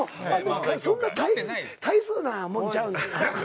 そんな大層なもんちゃう。